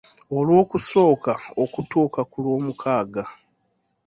Olwokusooka okutuuuka ku Lwomukaaga